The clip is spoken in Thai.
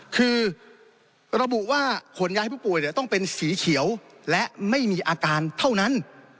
คือระบุว่าขนย้ายผู้ป่วยต้องเป็นสีเขียวและไม่มีอาการเท่านั้น